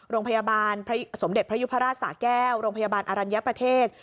โรงพยาบาลสมเด็จพระยุพราชสาแก้วโรงพยาบาลอรัญญประเทศ